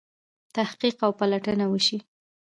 تحقیق او پلټنه وشي.